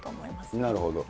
なるほど。